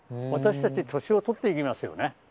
私たち、年を取っていきますよね。